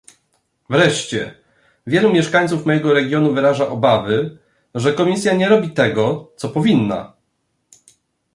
Wreszcie, wielu mieszkańców mojego regionu wyraża obawy, że Komisja nie robi tego, co powinna